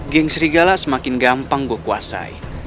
geng serigala semakin gampang gue kuasai